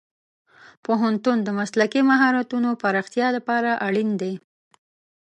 پوهنتون د مسلکي مهارتونو پراختیا لپاره اړین دی.